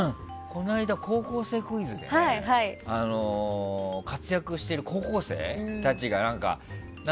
この間、「高校生クイズ」で活躍している高校生たちが。